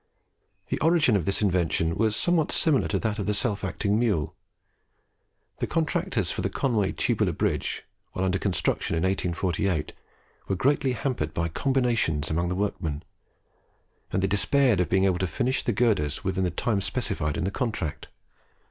The origin of this invention was somewhat similar to that of the self acting mule. The contractors for the Conway Tubular Bridge while under construction, in 1848, were greatly hampered by combinations amongst the workmen, and they despaired of being able to finish the girders within the time specified in the contract.